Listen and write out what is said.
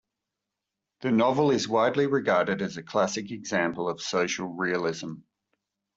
The novel is widely regarded as a classic example of social realism.